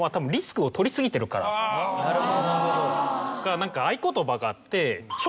何か合言葉があって。